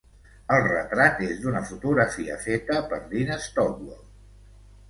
El retrat és d'una fotografia feta per Dean Stockwell.